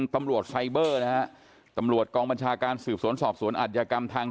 ตำรวจไซเบอร์นะฮะตำรวจกองบัญชาการสืบสวนสอบสวนอัธยกรรมทาง